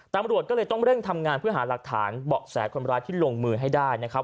ตำรวจก็เลยต้องเร่งทำงานเพื่อหาหลักฐานเบาะแสคนร้ายที่ลงมือให้ได้นะครับ